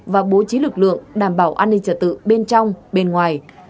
và bố trí lực lượng đảm bảo an ninh trật tự bên trong bên ngoài